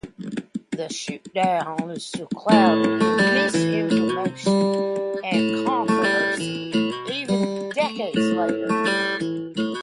The shoot down is still clouded in misinformation and controversy even decades later.